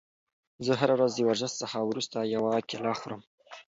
زه هره ورځ د ورزش څخه وروسته یوه کیله خورم.